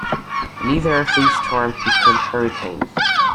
Neither of these storms became hurricanes.